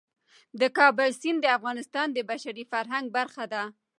د کابل سیند د افغانستان د بشري فرهنګ برخه ده.